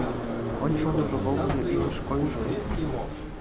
Ончылныжо волгыдо илыш койжо ыле.